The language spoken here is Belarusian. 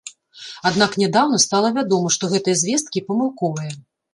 Аднак нядаўна стала вядома, што гэтыя звесткі памылковыя.